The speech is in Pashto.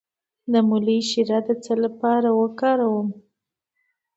د مولی شیره د څه لپاره وکاروم؟